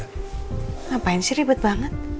ngapain sih ribet banget